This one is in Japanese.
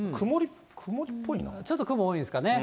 ちょっと雲多いですかね。